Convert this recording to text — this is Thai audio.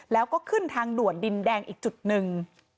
แล้วก็ขึ้นทางด่วนดินแดงอีกจุดหนึ่ง